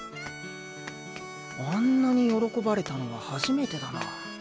あんなに喜ばれたのは初めてだな。